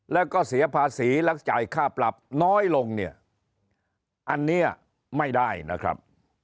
แล้วก็เสียภาษีและจ่ายค่าปรับน้อยลงเนี่ยอันนี้ไม่ได้นะครับ